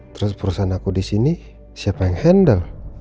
terus perusahaan aku di sini siapa yang handle